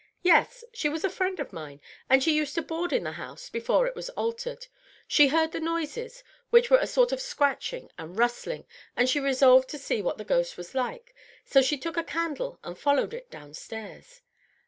"Yes. She was a friend of mine, and she used to board in the house before it was altered. She heard the noises, which were a sort of scratching and rustling, and she resolved to see what the ghost was like; so she took a candle and followed it downstairs."